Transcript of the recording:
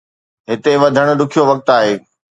هتي وڌڻ ڏکيو وقت آهي.